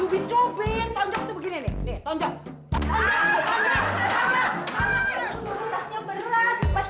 suruh nonjok kacang ancor cepet